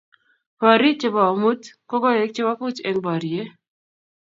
borii che bo amut ko koe che bo buch eng borie